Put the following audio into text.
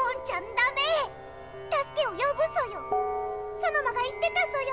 ソノマが言ってたソヨ。